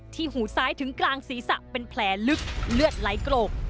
หูซ้ายถึงกลางศีรษะเป็นแผลลึกเลือดไหลโกรก